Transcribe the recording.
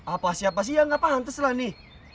apa siapa sih ya gak pahantes lah nih